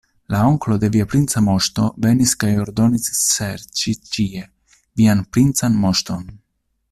La onklo de via princa moŝto venis kaj ordonis serĉi ĉie vian princan moŝton.